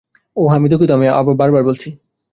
ওহ আমি দুঃখিত, আমি আবার বলছি।